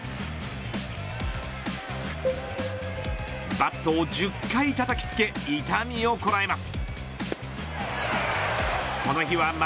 バットを１０回たたきつけ痛みをこらえます。